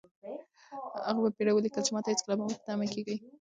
هغه په بېړه ولیکل چې ماته هېڅکله په تمه مه کېږئ.